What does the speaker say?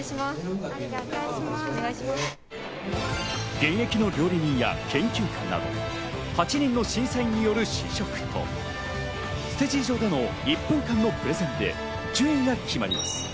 現役の料理人や研究家など８人の審査員による試食とステージ上での１分間のプレゼンで順位が決まります。